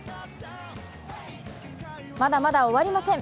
まだまだ終わりません。